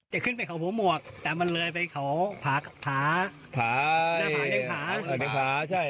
จะขึ้นไปเขาหัวหมวกแต่มันเลยไปเขาผ่าผ่าผ่าผ่าใช่